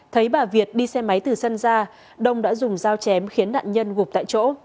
thấy bà việt đi xe máy từ sân ra đông đã dùng dao chém khiến nạn nhân gục tại chỗ